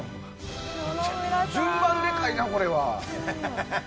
順番でかいな、これは。